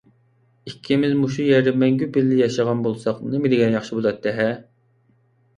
ئىككىمىز مۇشۇ يەردە مەڭگۈ بىللە ياشىغان بولساق نېمىدېگەن ياخشى بولاتتى-ھە!